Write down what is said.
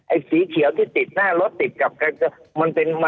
ไอ้สีเขียวที่ติดหน้ารถติดกับกัน